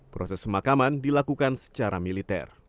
proses pemakaman dilakukan secara militer